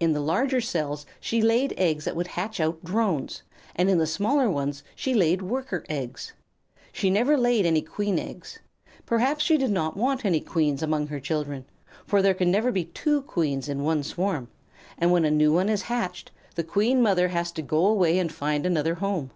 In the larger cells she laid eggs that would hatch out Drones, and in the smaller ones she laid Worker eggs. She never laid any Queen eggs. Perhaps she did not want any Queens among her children, for there can never be two Queens in one swarm, and when a new one is hatched, the Queen Mother has to go away and find another home.